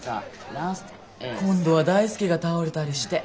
今度は大介が倒れたりして。